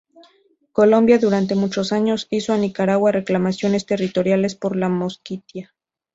Colombia, durante muchos años, hizo a Nicaragua reclamaciones territoriales por la Mosquitia.